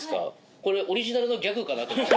これオリジナルのギャグかなと思って。